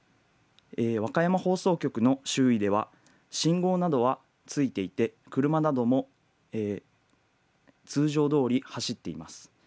和歌山放送局の周囲では、信号などはついていて車なども通常どおり走っています。